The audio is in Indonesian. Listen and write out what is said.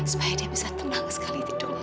supaya dia bisa tenang sekali tidur